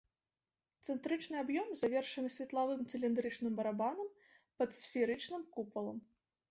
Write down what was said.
Цэнтрычны аб'ём завершаны светлавым цыліндрычным барабанам пад сферычным купалам.